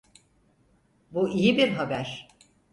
Bu iyi bir haber.